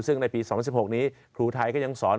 ซึ่งในปี๒๐๑๖นี้ครูไทยก็ยังสอน